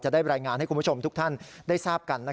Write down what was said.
ได้รายงานให้คุณผู้ชมทุกท่านได้ทราบกัน